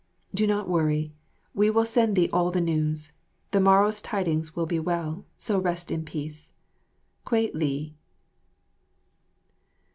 Do not worry; we will send thee all the news. The morrow's tidings will be well, so rest in peace. Kwei li.